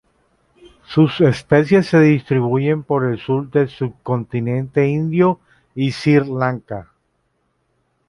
Sus especies se distribuyen por el sur del subcontinente indio y Sri Lanka.